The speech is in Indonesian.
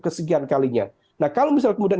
kesekian kalinya nah kalau misal kemudian